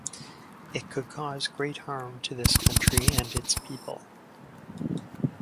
It could cause great harm to this country and its people.